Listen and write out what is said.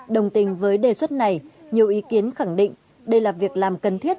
đồng tình với đề xuất này nhiều ý kiến khẳng định đây là việc làm cần thiết